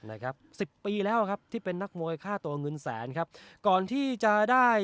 นะครับสิบปีแล้วครับที่เป็นนักมวยค่าตัวเงินแสนครับก่อนที่จะได้